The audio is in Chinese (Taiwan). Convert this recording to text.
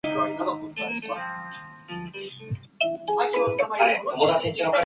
跑過去